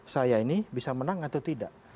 saya ini bisa menang atau tidak